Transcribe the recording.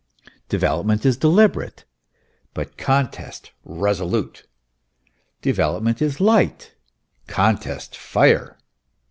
Development is deliberate, but contest resolute. Development is light, contest fire.